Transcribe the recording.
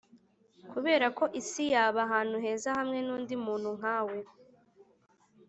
kuberako isi yaba ahantu heza hamwe nundi muntu nkawe.